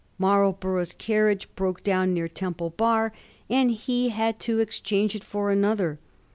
Marlborough's carriage broke down near Temple Bar, and he had to ex change it for another.